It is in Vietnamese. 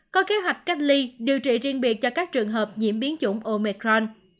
có kế hoạch cách ly điều trị riêng biệt cho các trường hợp nhiễm biến chủng omecron